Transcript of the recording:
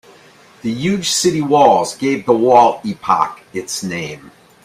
The huge city walls gave the wall epoch its name.